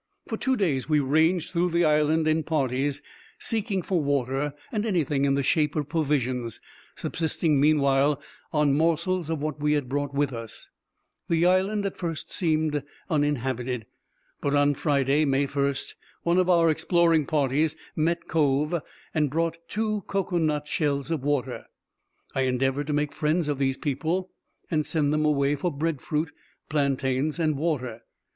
For two days we ranged through the island in parties, seeking for water, and anything in the shape of provisions, subsisting, meanwhile, on morsels of what we had brought with us. The island at first seemed uninhabited, but on Friday, May 1, one of our exploring parties met with two men, a woman, and a child: the men came with them to the cove, and brought two cocoa nut shells of water. I endeavored to make friends of these people, and sent them away for bread fruit, plantains, and water.